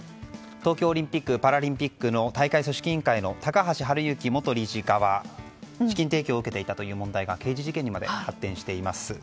東京オリンピック・パラリンピックの大会組織委員会の高橋治之元理事側が資金提供を受けていた問題が刑事事件にまで発展しています。